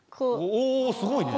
おすごいね。